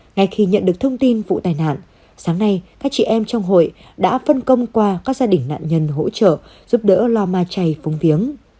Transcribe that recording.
ngay khi nhận được thông tin vụ tai nạn sáng nay các chị em trong hội đã phân công qua các gia đình nạn nhân hỗ trợ giúp đỡ lo ma chay phúng viếng